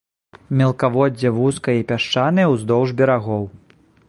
Мелкаводдзе вузкае і пясчанае ўздоўж берагоў.